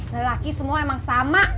lelaki semua emang sama